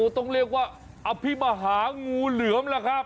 ต้องเรียกว่าอภิมหางูเหลือมล่ะครับ